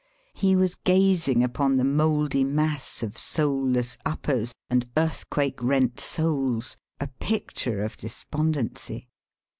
He was gazing upon the mouldy mass of soleless uppers and earthquake rent soles, a picture of despon dency.